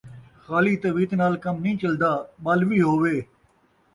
خالی تویت نال کم نئیں چلدا، ٻل وی ہووے